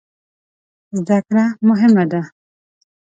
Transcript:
زده کړه مهم ده